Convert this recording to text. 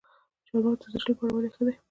چهارمغز د زړه لپاره ولې ښه دي؟